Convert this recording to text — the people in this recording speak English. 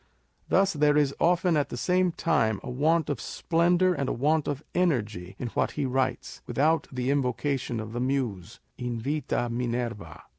Thus there is often at the same time a want of splendour and a want of energy in what he writes, without the invocation of the Muse â€" invita Minerva.